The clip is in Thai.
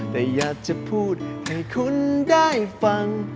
แต่อยากจะพูดให้คุณได้ฟัง